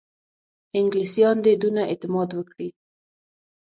انګلیسیان دي دونه اعتماد وکړي.